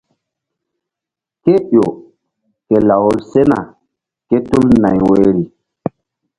Kéƴo ke law sena kétul nay woyri.